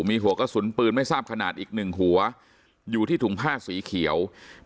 มีหัวกระสุนปืนไม่ทราบขนาดอีกหนึ่งหัวอยู่ที่ถุงผ้าสีเขียว